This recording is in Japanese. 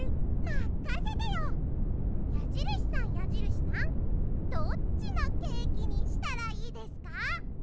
まかせてよ！やじるしさんやじるしさんどっちのケーキにしたらいいですか？